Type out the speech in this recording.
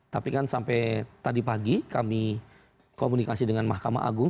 tapi kan sampai tadi pagi kami komunikasi dengan mahkamah agung